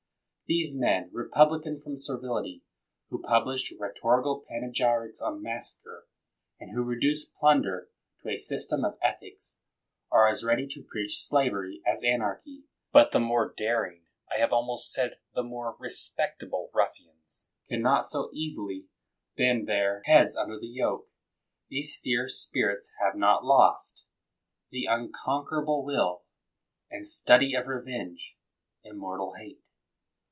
These men, Republican from servility, who pub lished rhetorical panegyrics on massacre, and who reduced plunder to a system of ethics, are as ready to preach slavery as anarchy. But the more daring, I had almost said, the more re spectable ruf&ans, can not so easily bend their 95 THE WORLD'S FAMOUS ORATIONS heads under the yoke. These fierce spirits have not lost "The unconquerable will, And study of revenge, immortal hate.'